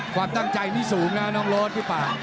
ความตั้งใจนี่สูงนะน้องโรดพี่ป่า